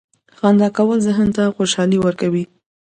• خندا کول ذهن ته خوشحالي ورکوي.